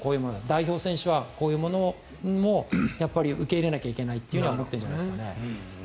代表選手はこういうのも受け入れないといけないと思ってるんじゃないですかね？